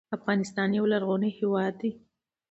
افغانستان یو لرغونی هیواد دی